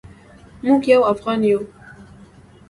موږ یو افغان یو